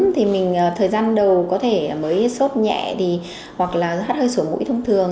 thì thời gian đầu có thể mới sốt nhẹ hoặc hát hơi sổ mũi thông thường